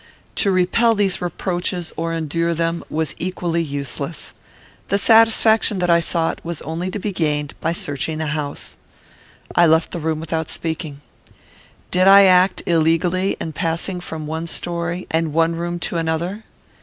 To repel these reproaches, or endure them, was equally useless. The satisfaction that I sought was only to be gained by searching the house. I left the room without speaking. Did I act illegally in passing from one story and one room to another?